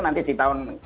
nanti di tahun